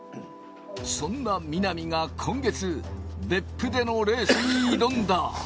そんな南が今月、別府でのレースに挑んだ。